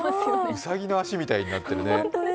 うさぎの足みたいになってますね。